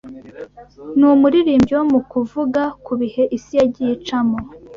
Numuririmbyi wo mukuvuga kubihe isi yagiye icamo.